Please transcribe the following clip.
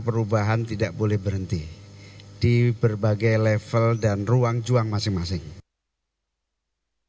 perubahan tidak boleh berhenti di berbagai level dan ruang juang masing masing